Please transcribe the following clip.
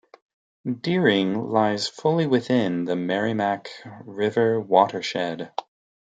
Deering lies fully within the Merrimack River watershed.